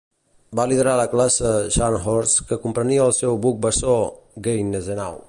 Va liderar la classe "Scharnhorst", que comprenia el seu buc bessó "Gneisenau".